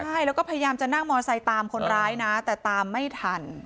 ใช่แล้วก็พยายามจะนั่งมอไซค์ตามคนร้ายนะแต่ตามไม่ทัน